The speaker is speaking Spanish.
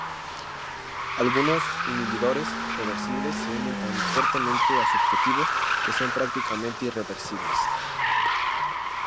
Algunos inhibidores reversibles se unen tan fuertemente a su objetivo que son prácticamente irreversibles.